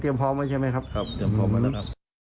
พร้อมไว้ใช่ไหมครับครับเตรียมพร้อมไว้นะครับ